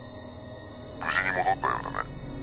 「無事に戻ったようだね」